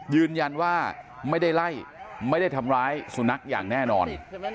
ยืนยันว่าไม่ได้ไล่ไม่ได้ทำร้ายสุนัขอย่างแน่นอน